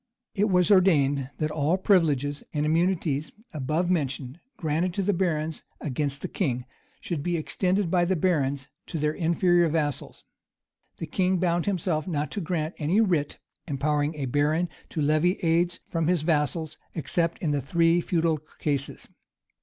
It was ordained that all the privileges and immunities above mentioned, granted to the barons against the king, should be extended by the barons to their inferior vassals. The king bound himself not to grant any writ, empowering a baron to levy aids from his vassals, except in the three feudal cases.